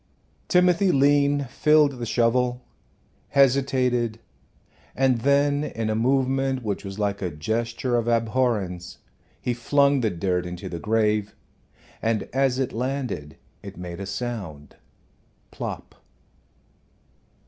Timothy Lean filled the shovel, hesitated, and then in a movement which was like a gesture of abhorrence he flung the dirt into the grave, and as it landed it made a sound plop!